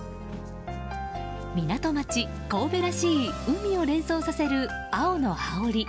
港町・神戸らしい海を連想させる青の羽織。